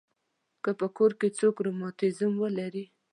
که په کور کې څوک رماتیزم ولري.